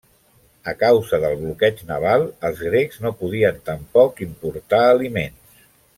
A causa del bloqueig naval, els grecs no podien tampoc importar aliments.